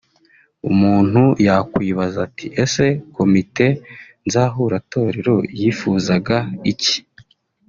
Umuntu yakwibaza ati ese Komite Nzahuratorero yifuzaga iki